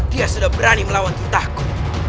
dia sudah berani melawan entahku